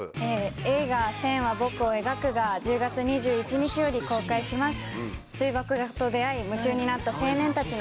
映画『線は、僕を描く』が１０月２１日より公開します。